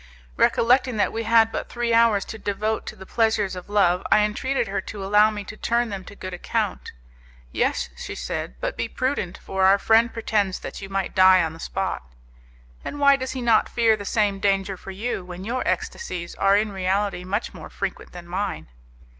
Recollecting that we had but three hours to devote to the pleasures of love, I entreated her to allow me to turn them to good account. "Yes," she said, "but be prudent, for our friend pretends that you might die on the spot." "And why does he not fear the same danger for you, when your ecstasies are in reality much more frequent than mine?"